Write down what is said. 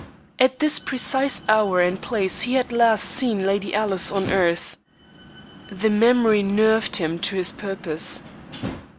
At this precise hour and place he had last seen Lady Alice on earth. The memory nerved him to his purpose.